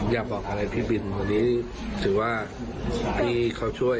อยากบอกอะไรพี่บินวันนี้ถือว่าพี่เขาช่วย